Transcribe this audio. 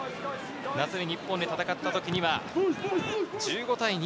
夏に日本で戦った時には１５対２０。